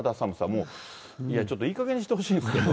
もう、いや、ちょっといいかげんにしてほしいんですけど。